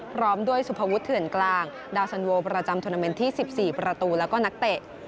พร้อมด้วยสุภวุฒิเถื่อนกลางดาวสันโวประจำทวนาเมนต์ที่๑๔ประตูแล้วก็นักเตะ